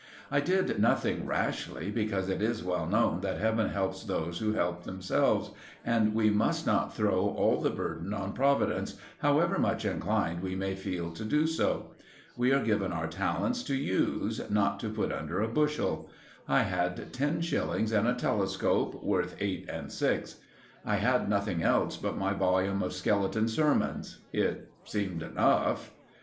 I did nothing rashly, because it is well known that Heaven helps those who help themselves, and we must not throw all the burden on Providence, however much inclined we may feel to do so. We are given our talents to use, not to put under a bushel. I had ten shillings and a telescope, worth eight and six. I had nothing else but my volume of Skeleton Sermons. It seemed enough.